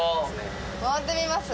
回ってみます。